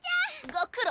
ご苦労。